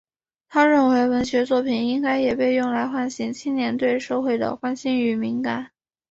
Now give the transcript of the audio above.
他认为文学作品应该也被用来唤醒青年对社会的关心与敏感。